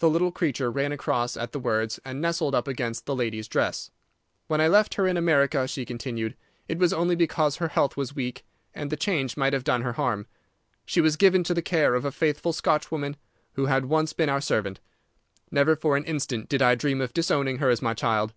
The little creature ran across at the words and nestled up against the lady's dress. "When I left her in America," she continued, "it was only because her health was weak, and the change might have done her harm. She was given to the care of a faithful Scotch woman who had once been our servant. Never for an instant did I dream of disowning her as my child.